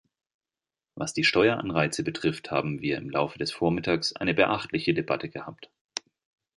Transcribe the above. Was die Steueranreize betrifft haben wir im Laufe des Vormittags eine beachtliche Debatte gehabt.